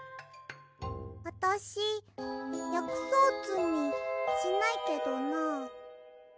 あたしやくそうつみしないけどな。